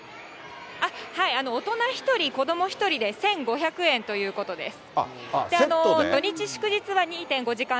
大人１人、子ども１人で１５００円ということです。